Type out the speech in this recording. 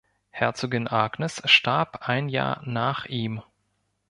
Herzogin Agnes starb ein Jahr nach ihm.